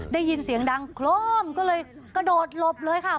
ได้ยินเสียงดังโครมก็เลยกระโดดหลบเลยค่ะ